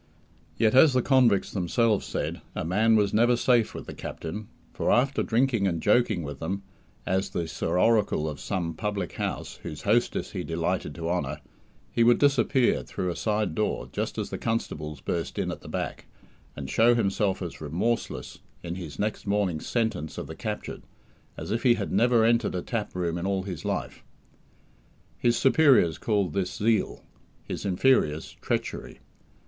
Yet, as the convicts themselves said, "a man was never safe with the Captain"; for, after drinking and joking with them, as the Sir Oracle of some public house whose hostess he delighted to honour, he would disappear through a side door just as the constables burst in at the back, and show himself as remorseless, in his next morning's sentence of the captured, as if he had never entered a tap room in all his life. His superiors called this "zeal"; his inferiors "treachery".